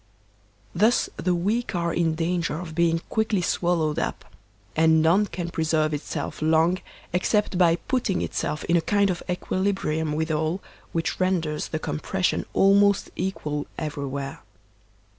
Thus the weak are in danger of being quickly swallowed up, and none can preserve itself long except by putting itself in a kind of equilibrium with all, which renders the compression almost equal everywhere.